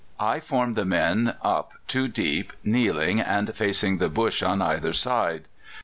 I formed the men up two deep, kneeling, and facing the bush on either side.